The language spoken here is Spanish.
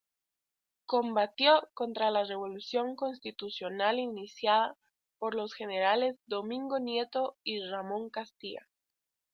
Combatió contra la revolución constitucional iniciada por los generales Domingo Nieto y Ramón Castilla.